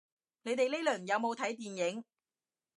你哋呢輪有冇睇電影